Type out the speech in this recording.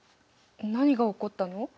何が起こったの？